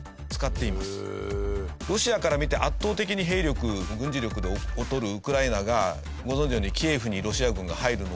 ロシアから見て圧倒的に兵力軍事力で劣るウクライナがご存じのように。